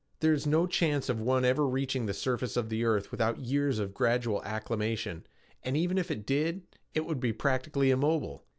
There is no chance of one ever reaching the surface of the earth without years of gradual acclimation, and even if it did, it would be practically immobile.